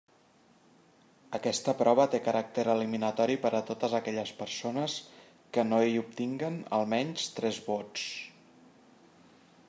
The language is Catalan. Aquesta prova té caràcter eliminatori per a totes aquelles persones que no hi obtinguen, almenys, tres vots.